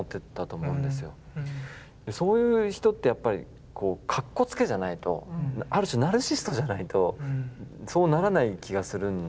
そういう人ってやっぱりかっこつけじゃないとある種ナルシストじゃないとそうならない気がするんですよね。